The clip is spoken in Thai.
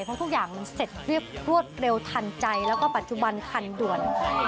เพราะทุกอย่างมันเสร็จเรียบรวดเร็วทันใจแล้วก็ปัจจุบันทันด่วน